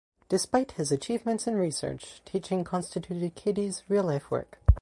Despite his achievements in research, teaching constituted Cady's real life work.